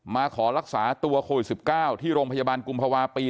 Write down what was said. มาขอรักษาตัวโควิด๑๙ที่โรงพยาบาลกุมภาวะปี